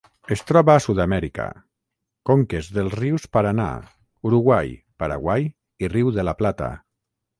Es troba a Sud-amèrica: conques dels rius Paranà, Uruguai, Paraguai i Riu de La Plata.